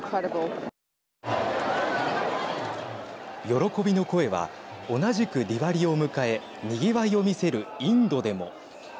喜びの声は同じくディワリを迎えにぎわいを見せるインドでも。